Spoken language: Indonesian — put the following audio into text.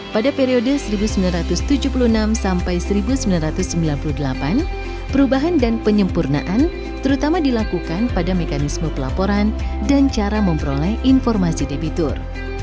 pada periode seribu sembilan ratus tujuh puluh enam sampai seribu sembilan ratus sembilan puluh delapan perubahan dan penyempurnaan terutama dilakukan pada mekanisme pelaporan dan cara memperoleh informasi debitur